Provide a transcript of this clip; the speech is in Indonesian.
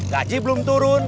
gaji belum turun